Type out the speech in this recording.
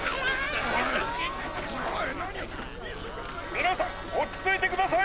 みなさんおちついてください！